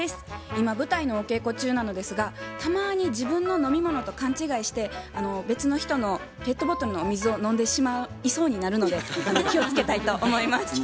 今舞台のお稽古中なのですがたまに自分の飲み物と勘違いして別の人のペットボトルの水を飲んでしまいそうになるので気をつけたいと思います。